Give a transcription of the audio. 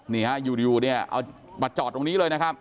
นี่ฮะอยู่เนี่ยเอามาจอดตรงนี้เลยนะครับ